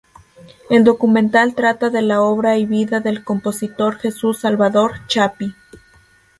El documental trata de la obra y vida del compositor Jesús Salvador "Chapi".